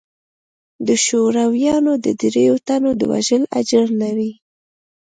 د شورويانو د درېو تنو د وژلو اجر لري.